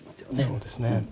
そうですね。